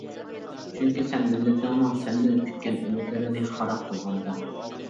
چۈنكى سەن مىللىتىڭنىڭ سەندىن كۈتكەن ئۈمىدلىرىنى خاراب قىلغانىدىڭ.